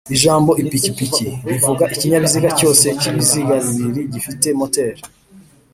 Ijambo "ipikipiki" bivuga ikinyabiziga cyose cy'ibiziga bibiri gifite moteri